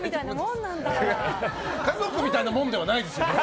家族みたいなものではないです。